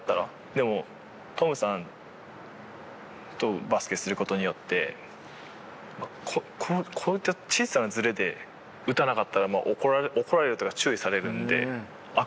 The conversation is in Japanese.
でもトムさんとバスケする事によってこういった小さなズレで打たなかったら怒られるというか注意されるので。